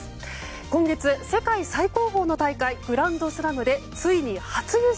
今月、世界最高峰の大会グランドスラムでついに初優勝。